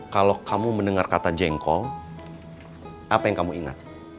kalau kamu mendengar kata jengkol apa yang kamu ingat